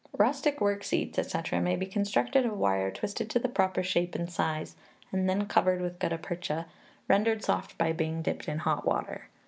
Rustic work seats, &c., may be constructed of wire twisted to the proper shape and size, and then covered with gutta percha, rendered soft by being dipped in hot water.